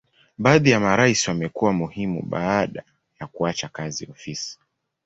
Baadhi ya marais wamekuwa muhimu baada ya kuacha kazi ofisi.